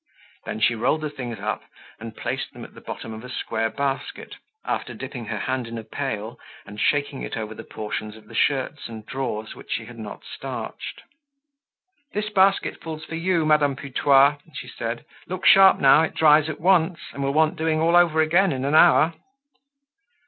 Then she rolled the things up and placed them at the bottom of a square basket, after dipping her hand in a pail and shaking it over the portions of the shirts and drawers which she had not starched. "This basketful's for you, Madame Putois," she said. "Look sharp, now! It dries at once, and will want doing all over again in an hour."